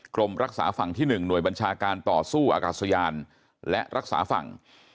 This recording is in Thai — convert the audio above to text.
กรมรักษาฝั่งที่๑หน่วยบัญชาการต่อสู้อากาศยานและรักษาฝั่ง